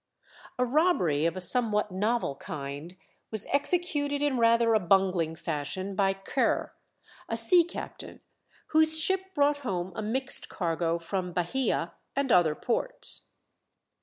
A robbery of a somewhat novel kind was executed in rather a bungling fashion by Ker, a sea captain, whose ship brought home a mixed cargo from Bahia and other ports.